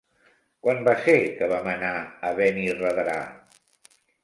Quan va ser que vam anar a Benirredrà?